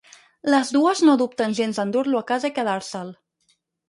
Les dues no dubten gens en dur-lo a casa i quedar-se'l.